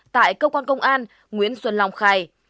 tại cơ quan công an nguyễn xuân long khai